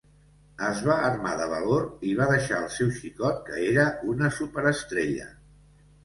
Es va armar de valor i va deixar el seu xicot que era una superestrella.